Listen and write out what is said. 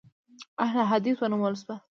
اهل حدیث ونومول شوه.